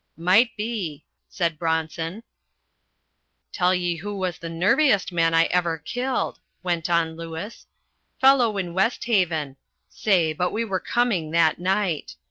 "Might be," said Bronson. "Tell ye who was the nerviest man I ever killed," went on Lewis. "Fellow in West Haven. Say, but we were coming that night!